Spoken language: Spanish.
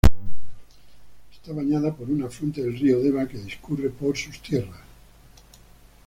Está bañada por un afluente del río Deva que discurre por sus tierras.